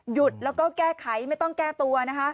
หยุดแล้วก็แก้ไขไม่ต้องแก้ตัวนะคะ